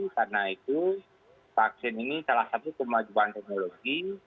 karena itu vaksin ini salah satu kemajuan teknologi